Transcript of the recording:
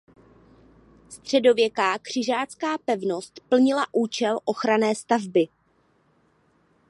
Středověká křižácká pevnost plnila účel ochranné stavby.